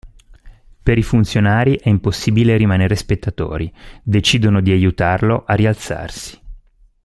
Per i funzionari è impossibile rimanere spettatori: decidono di aiutarlo a rialzarsi.